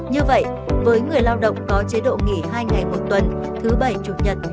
như vậy với người lao động có chế độ nghỉ hai ngày một tuần thứ bảy chủ nhật